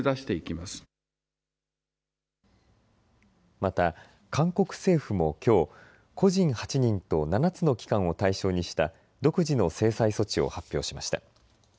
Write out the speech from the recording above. また韓国政府もきょう個人８人と７つの機関を対象にした独自の制裁措置を発表しました。